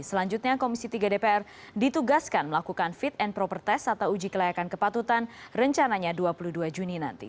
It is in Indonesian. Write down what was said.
selanjutnya komisi tiga dpr ditugaskan melakukan fit and proper test atau uji kelayakan kepatutan rencananya dua puluh dua juni nanti